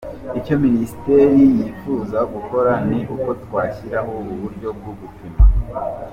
Icyo Minisiteri yifuza gukora, ni uko twashyiraho uburyo bwo gupima.